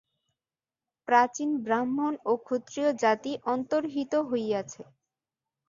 প্রাচীন ব্রাহ্মণ ও ক্ষত্রিয় জাতি অন্তর্হিত হইয়াছে।